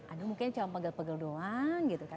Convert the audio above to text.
aduh mungkin cuma pegel pegel doang gitu kan